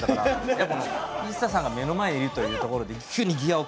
やっぱＩＳＳＡさんが目の前にいるというところで急にギアを。